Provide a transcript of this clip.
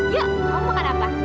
yuk kamu makan apa